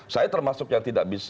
saya termasuk yang